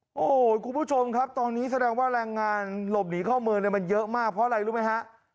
โอ้โหคุณผู้ชมครับตอนนี้แสดงว่าแรงงานหลบหนีเข้าเมืองเนี่ยมันเยอะมากเพราะอะไรรู้ไหมฮะ